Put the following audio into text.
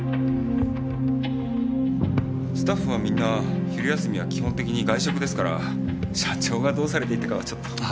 スタッフはみんな昼休みは基本的に外食ですから社長がどうされていたかはちょっと。